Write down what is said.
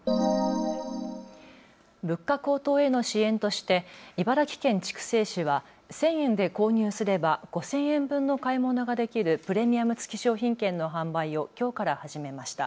物価高騰への支援として茨城県筑西市は１０００円で購入すれば５０００円分の買い物ができるプレミアム付き商品券の販売をきょうから始めました。